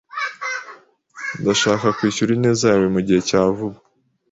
Ndashaka kwishyura ineza yawe mugihe cya vuba.